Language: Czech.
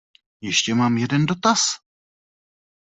Ještě mám jeden dotaz?